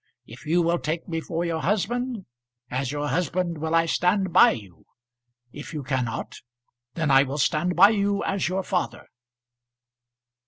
If you will take me for your husband, as your husband will I stand by you. If you cannot, then I will stand by you as your father."